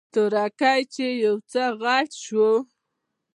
تورکى چې يو څه غټ سو.